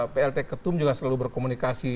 plt ketum juga selalu berkomunikasi